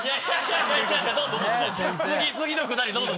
次のくだりどうぞ！